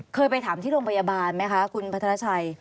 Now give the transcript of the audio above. เคยไปถามที่โรงพยาบาลไหมคะคุณพัฒนาชัย